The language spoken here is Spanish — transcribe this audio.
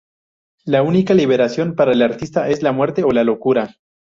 La única liberación para el artista es la muerte o la locura.